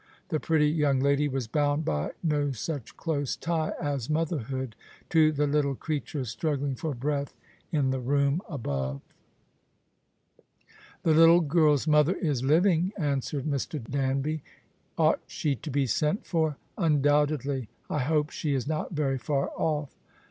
This pretty young lady was bound by no such close tie as motherhood to the little creature struggling for breath in the room above. "The little girl's mother is living," answered Mr. Danby. " Ought she to be sent for ?"" Undoubtedly. I hope she is not very far off."